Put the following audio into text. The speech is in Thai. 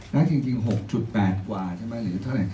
แล้วจริง๖๘กว่าใช่ไหมหรือเท่าไหร่